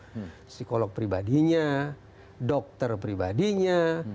psikolog pribadinya dokter pribadinya